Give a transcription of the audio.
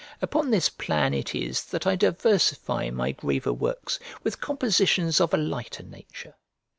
Upon this plan it is that I diversify my graver works with compositions of a lighter nature.